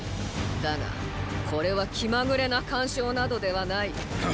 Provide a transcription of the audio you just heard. だがこれは気まぐれな干渉などではない。